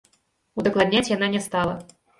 Удакладняць яна не стала.